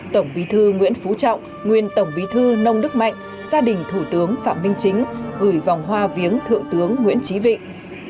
tổng bí thư nguyễn phú trọng nguyên tổng bí thư nông đức mạnh gia đình thủ tướng phạm minh chính gửi vòng hoa viếng thượng tướng nguyễn trí vịnh